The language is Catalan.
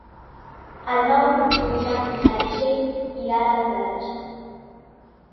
El nou d'octubre na Txell irà a la platja.